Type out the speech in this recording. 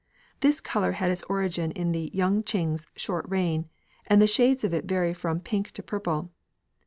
This colour had its origin in Yung ching's short reign, and the shades of it vary from pink to purple.